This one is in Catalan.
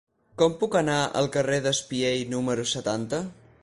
Com puc anar al carrer d'Espiell número setanta?